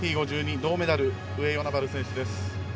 銅メダル、上与那原選手です。